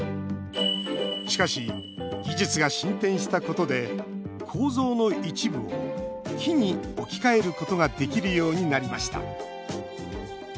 しかし、技術が進展したことで構造の一部を木に置き換えることができるようになりました。